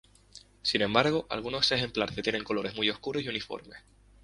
Sin embargo, algunos ejemplares tienen colores muy oscuros y uniformes.